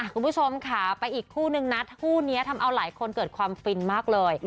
คุณผู้ชมค่ะไปอีกคู่นึงนะคู่นี้ทำเอาหลายคนเกิดความฟินมากเลย